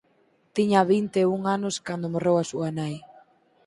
Tiña vinte e un anos cando morreu a súa nai.